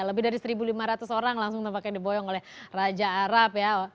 lebih dari satu lima ratus orang langsung tampaknya diboyong oleh raja arab ya